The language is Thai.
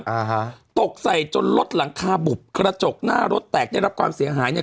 อ่าฮะตกใส่จนรถหลังคาบุบกระจกหน้ารถแตกได้รับความเสียหายเนี้ย